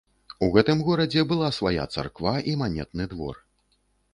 У гэтым горадзе была свая царква і манетны двор.